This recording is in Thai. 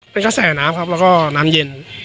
เป็นกระแสน้ำครับแล้วก็น้ำเย็น